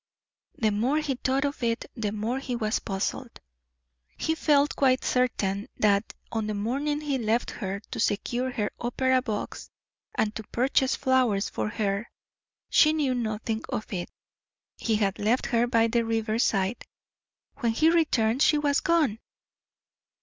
The more he thought of it the more he was puzzled. He felt quite certain that on the morning he left her to secure her opera box, and to purchase flowers for her, she knew nothing of it. He had left her by the river side; when he returned she was gone.